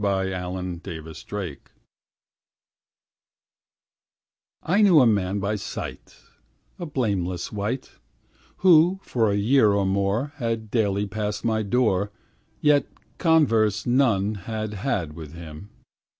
I Knew A Man By Sight I knew a man by sight, A blameless wight, Who, for a year or more, Had daily passed my door, Yet converse none had had with him.